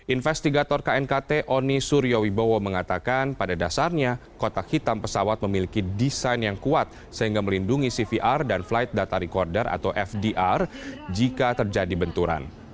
investigator knkt oni suryo wibowo mengatakan pada dasarnya kotak hitam pesawat memiliki desain yang kuat sehingga melindungi cvr dan flight data recorder atau fdr jika terjadi benturan